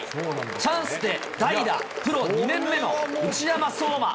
チャンスで代打、プロ２年目の内山壮真。